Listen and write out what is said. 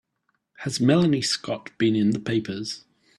Has Melanie Scott been in the papers?